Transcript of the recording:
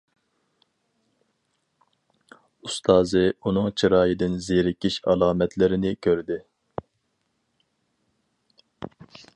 ئۇستازى ئۇنىڭ چىرايىدىن زېرىكىش ئالامەتلىرىنى كۆردى.